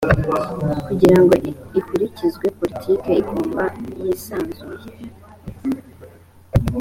kugira ngo ikurikizwe politiki igomba yisanzuye